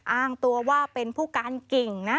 อ้างตัวว่าเป็นผู้การกิ่งนะ